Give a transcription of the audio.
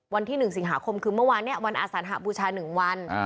วันที่๑สิงหาคมคือเมื่อวานวันอาสานหบูชา๑วัน